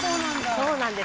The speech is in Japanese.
そうなんです。